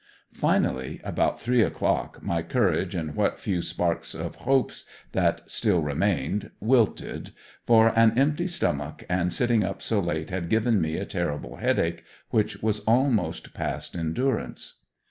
Finally about three o'clock my courage and what few sparks of hopes that still remained, wilted, for, an empty stomach and sitting up so late had given me a terrible headache, which was almost past endurance.